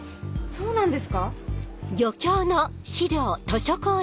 そうなんですか？